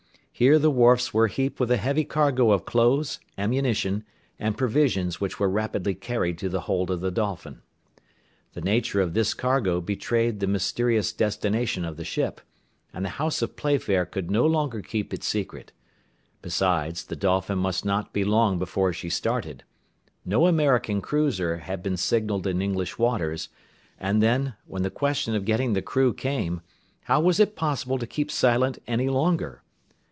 Here the wharfs were heaped with a heavy cargo of clothes, ammunition, and provisions which were rapidly carried to the hold of the Dolphin. The nature of this cargo betrayed the mysterious destination of the ship, and the house of Playfair could no longer keep it secret; besides, the Dolphin must not be long before she started. No American cruiser had been signalled in English waters; and, then, when the question of getting the crew came, how was it possible to keep silent any longer?